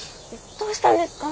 どうしたんですか？